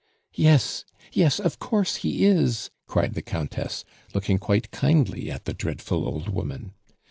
"Yes, yes, of course he is!" cried the Countess, looking quite kindly at the dreadful old woman.